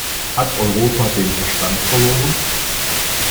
Hat Europa den Verstand verloren?